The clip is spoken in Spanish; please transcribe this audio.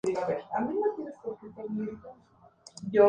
No se deben confundir con las Islas Cocos, pertenecientes a Australia.